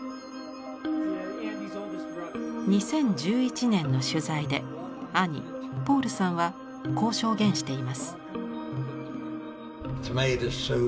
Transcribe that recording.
２０１１年の取材で兄ポールさんはこう証言しています。